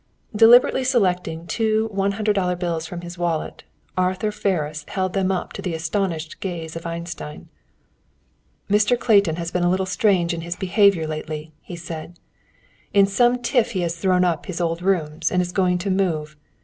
Deliberately selecting two one hundred dollar bills from his wallet, Arthur Ferris held them up to the astonished gaze of Einstein. "Mr. Clayton has been a little strange in his behavior lately," he said. "In some tiff he has thrown up his old rooms, and is going to move.